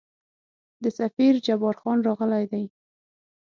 د سفیر جبارخان راغلی دی.